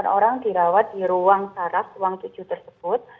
delapan orang dirawat di ruang syaraf ruang tujuh tersebut